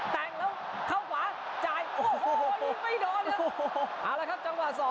แต่งแล้วเข้าขวาจ่ายโอ้โห